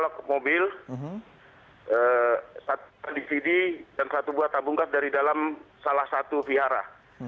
satu buah pelok mobil satu pelok dvd dan satu buah tabungkas dari dalam salah satu vihara